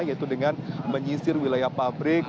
yaitu dengan menyisir wilayah pabrik